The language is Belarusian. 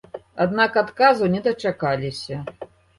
Аднак адказу не дачакаліся.